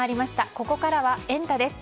ここからはエンタ！です。